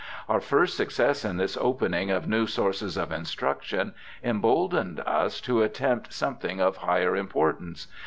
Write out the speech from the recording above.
Our first success in this opening of new sources of instruction emboldened us to attempt some thing of higher importance.